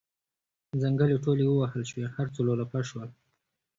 ځنګلې ټولې ووهل شوې هر څه لولپه شول.